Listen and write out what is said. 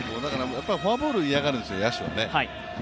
フォアボールを嫌がるんですよ、野手は。